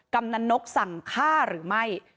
กำนันนกสั่งฆ่าหรือไม่